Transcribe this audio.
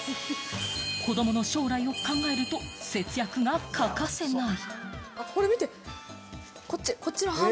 子供の将来を考えると節約は欠かせない。